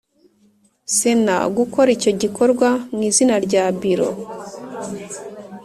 Sena gukora icyo gikorwa mu izina rya Biro